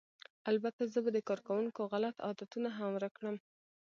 البته زه به د کارکوونکو غلط عادتونه هم ورک کړم